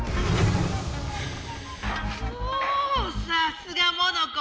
おおさすがモノコ。